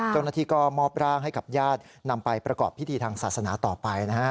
เจ้าหน้าที่ก็มอบร่างให้กับญาตินำไปประกอบพิธีทางศาสนาต่อไปนะฮะ